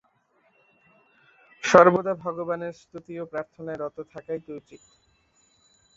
সর্বদা ভগবানের স্তুতি ও প্রার্থনায় রত থাকাই তো উচিত।